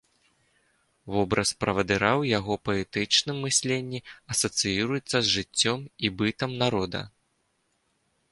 Вобраз правадыра ў яго паэтычным мысленні асацыіруецца з жыццём і бытам народа.